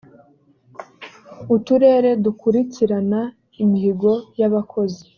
uturere dukurikirana imihigo y’ abakozi .